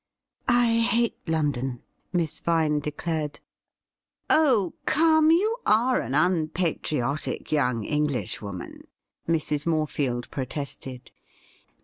' I hate London,' Miss Vine declared. 'Oh, come, you are an unpatriotic young English woman,' Mrs. Morefield protested.